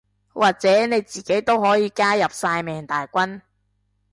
或者你自己都可以加入曬命大軍